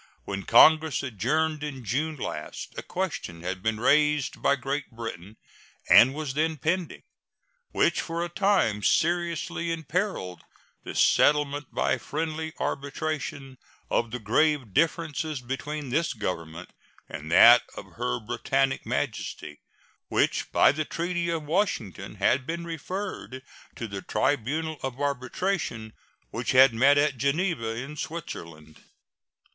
When Congress adjourned in June last, a question had been raised by Great Britain, and was then pending, which for a time seriously imperiled the settlement by friendly arbitration of the grave differences between this Government and that of Her Britannic Majesty, which by the treaty of Washington had been referred to the tribunal of arbitration which had met at Geneva, in Switzerland.